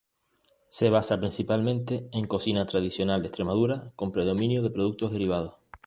Se basa principalmente en cocina tradicional de Extremadura, con predominio de productos derivados.